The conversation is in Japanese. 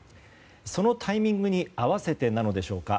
そのタイミングに合わせてなのでしょうか。